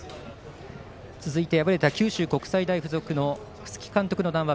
続いて敗れた九州国際大付属の楠城監督の談話